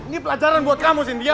ini pelajaran buat kamu sindia